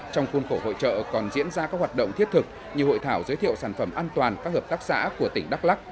trong khuôn khổ hội trợ còn diễn ra các hoạt động thiết thực như hội thảo giới thiệu sản phẩm an toàn các hợp tác xã của tỉnh đắk lắc